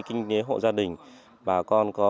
kinh tế hộ gia đình bà con có